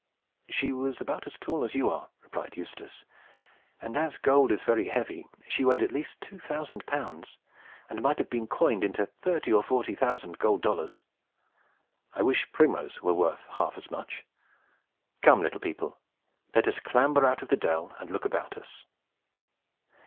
"She was about as tall as you are," replied Eustace, "and, as gold is very heavy, she weighed at least two thousand pounds, and might have been coined into thirty or forty thousand gold dollars. I wish Primrose were worth half as much. Come, little people, let us clamber out of the dell, and look about us."